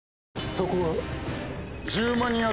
そこは。